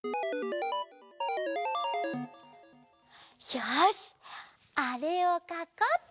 よしあれをかこうっと！